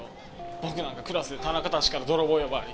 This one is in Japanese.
僕なんかクラスで田中たちから泥棒呼ばわり。